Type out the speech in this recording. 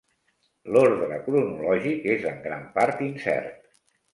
L'ordre cronològic és en gran part incert.